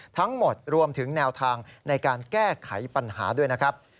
ทั้งหมดรวมถึงแนวทางในการแก้ไขปัญหาด้วยนะครับ